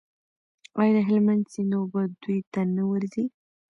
آیا د هلمند سیند اوبه دوی ته نه ورځي؟